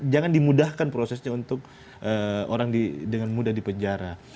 jangan dimudahkan prosesnya untuk orang dengan muda di penjara